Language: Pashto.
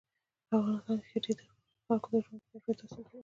په افغانستان کې ښتې د خلکو د ژوند په کیفیت تاثیر کوي.